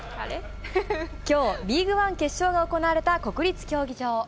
きょう、リーグワン決勝が行われた国立競技場。